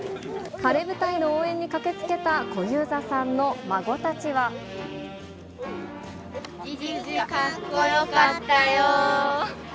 晴れ舞台の応援に駆けつけたじいじ、かっこよかったよー。